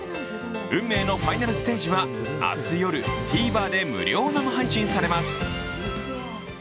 運命のファイナルステージは明日夜、ＴＶｅｒで無料生配信されます。